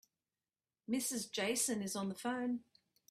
Mrs. Jason is on the phone.